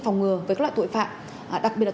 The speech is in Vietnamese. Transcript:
phòng ngừa với các loại tội phạm đặc biệt là